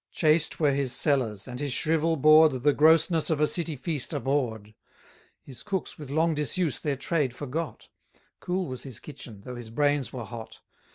Chaste were his cellars, and his shrivel board The grossness of a city feast abhorr'd; His cooks with long disuse their trade forgot; 620 Cool was his kitchen, though his brains were hot.